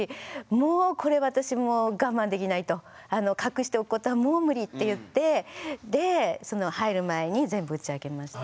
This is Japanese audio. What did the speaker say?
もうこれ私もう我慢できないと隠しておくことはもうムリって言ってで入る前に全部打ち明けました。